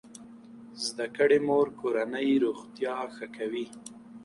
زده کړې مور کورنۍ روغتیا ښه کوي.